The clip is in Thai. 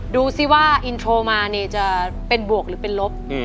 ดูสิว่าอินโทรมาเนี่ยจะเป็นบวกหรือเป็นลบ